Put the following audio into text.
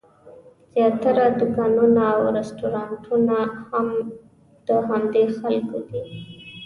زیاتره دوکانونه او رسټورانټونه هم د همدې خلکو دي.